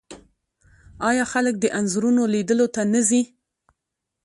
آیا خلک د انځورونو لیدلو ته نه ځي؟